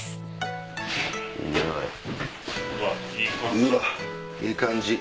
うわっいい感じ！